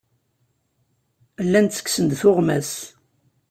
Llan ttekksen-d tuɣmas.